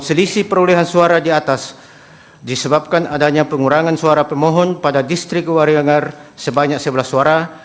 selisih perolehan suara di atas disebabkan adanya pengurangan suara pemohon pada distrik warianggar sebanyak sebelas suara